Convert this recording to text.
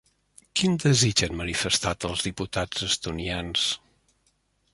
Quin desig han manifestat els diputats estonians?